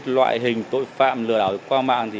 loại hình tội phạm lừa đảo qua mạng